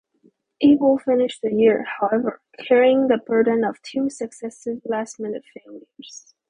Abel finished the year, however, carrying the burden of two successive last-minute failures.